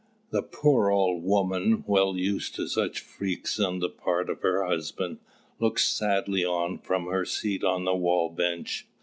The poor old woman, well used to such freaks on the part of her husband, looked sadly on from her seat on the wall bench.